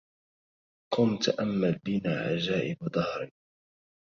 قم تأمل بنا عجائب دهر